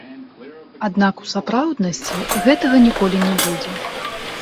Аднак у сапраўднасці гэтага ніколі не будзе.